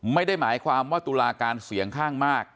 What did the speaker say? ไม่ได้หมายความว่าตุลาการเสียงข้างมาก